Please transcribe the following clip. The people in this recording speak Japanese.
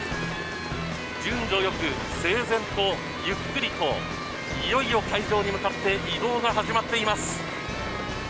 順序よく整然とゆっくりといよいよ会場に向かって移動が始まっています。